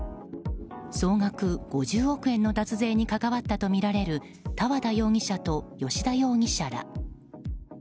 総額５０億円の脱税に関わったとみられる多和田容疑者と吉田容疑者ら。